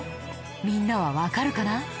みんなはわかるかな？